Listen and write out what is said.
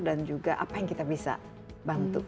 dan juga apa yang kita bisa bantu